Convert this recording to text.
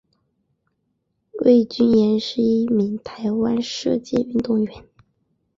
魏均珩是一名台湾射箭运动员。